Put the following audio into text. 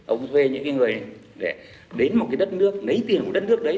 ông thuê những người để đến một cái đất nước lấy tiền của đất nước đấy